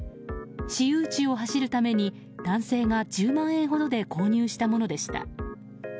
私有地を走るために男性が１０万円ほどで購入したものでした。